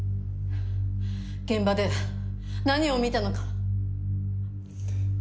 現場で何を見たのか。